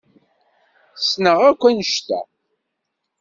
Ssneɣ akk anect-a.